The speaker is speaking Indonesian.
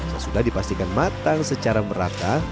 sesudah dipastikan matang secara merata